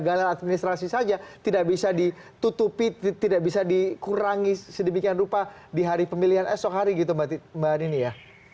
gala administrasi saja tidak bisa ditutupi tidak bisa dikurangi sedemikian rupa di hari pemilihan esok hari gitu mbak nini ya